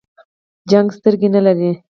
جګړې سترګې نه لري .